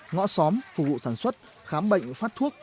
ngõ xóm phục vụ sản xuất khám bệnh phát thuốc